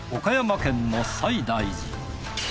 岡山県の西大寺。